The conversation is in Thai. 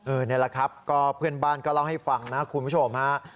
นี่แหละครับก็เพื่อนบ้านก็เล่าให้ฟังนะคุณผู้ชมฮะ